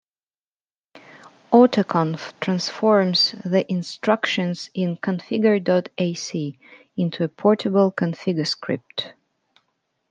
Autoconf transforms the instructions in "configure dot ac" into a portable configure script.